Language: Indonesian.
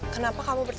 kenapa kamu bertanya